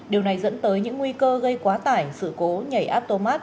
điều này dẫn tới những nguy cơ gây quá tải sự cố nhảy aptomat